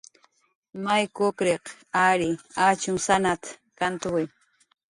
"May kukriq ary achumsanat"" kantuwi"